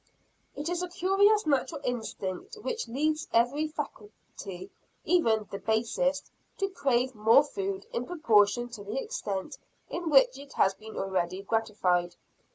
It is a curious natural instinct which leads every faculty even the basest to crave more food in proportion to the extent in which it has been already gratified.